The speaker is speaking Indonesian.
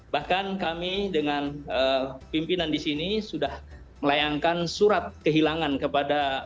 bahkan kami dengan pimpinan di sini sudah melayangkan surat kehilangan kepada